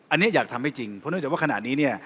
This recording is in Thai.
อันนี้อยากทำให้จริงเพราะเนื่องจากว่าขณะนี้เนี่ย